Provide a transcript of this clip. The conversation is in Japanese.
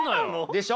でしょ？